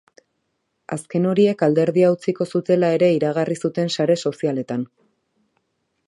Azken horiek alderdia utziko zutela ere iragarri zuten sare sozialetan.